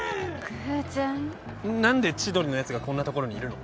何で千鳥のやつがこんな所にいるの？